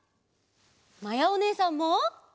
まやおねえさんも。